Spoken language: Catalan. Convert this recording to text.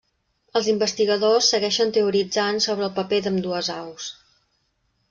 Els investigadors segueixen teoritzant sobre el paper d'ambdues aus.